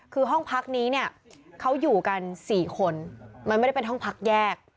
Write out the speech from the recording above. คือห้องพักนี้เนี่ยเขาอยู่กัน๔คนมันไม่ได้เป็นห้องพักแยก